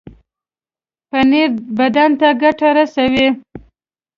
پنېر بدن ته ګټه رسوي.